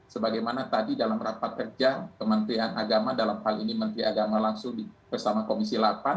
sebagaimana tadi dalam rapat kerja kementerian agama dalam hal ini menteri agama langsung bersama komisi delapan